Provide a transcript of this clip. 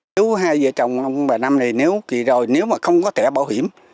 nếu hai vợ chồng ông bà năm này nếu mà không có thẻ bảo hiểm